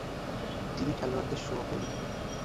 তিনি খেলোয়াড়দের শো তৈরি.